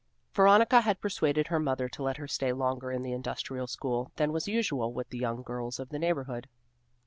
Veronica had persuaded her mother to let her stay longer in the Industrial School than was usual with the young girls of the neighborhood.